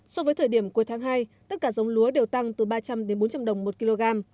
so với thời điểm cuối tháng hai tất cả giống lúa đều tăng từ ba trăm linh bốn trăm linh đồng một kg